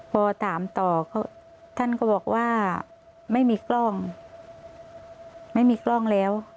พอถามต่อท่านก็บอกว่าไม่มีกล้องไม่มีกล้องแล้ว